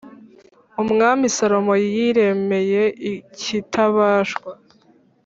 Umwami Salomo yiremeye ikitabashwa